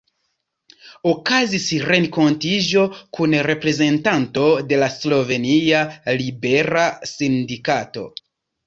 Okazis renkontiĝo kun reprezentanto de la slovenia libera sindikato.